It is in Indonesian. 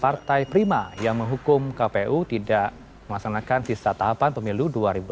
partai prima yang menghukum kpu tidak melaksanakan sisa tahapan pemilu dua ribu dua puluh